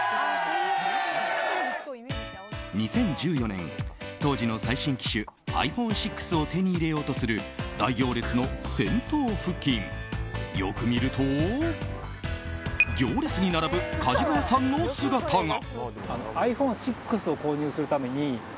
２０１４年、当時の最新機種ｉＰｈｏｎｅ６を手に入れようとする大行列の先頭付近よく見ると、行列に並ぶかじがやさんの姿が。